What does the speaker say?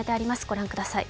ご覧ください。